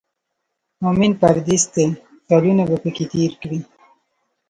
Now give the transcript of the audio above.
مومن پردېس دی کلونه به پکې تېر کړي.